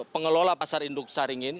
pengelola pasar induk saringin